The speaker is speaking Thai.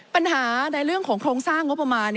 ปัญหาในเรื่องของโครงสร้างงบประมาณ